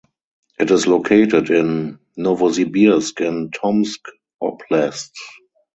It is located in Novosibirsk and Tomsk oblasts.